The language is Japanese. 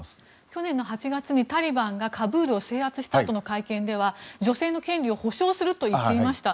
去年の８月にタリバンがカブールを制圧したあとの会見で女性の権利を保障すると言っていました。